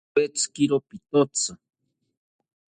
Awetzikiro pitotzi